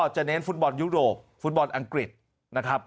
จะเน้นฟุตบอลยุโรปฟุตบอลอังกฤษนะครับ